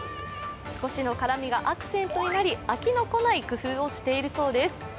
少しの辛みがアクセントになり飽きのこない工夫をしているそうです。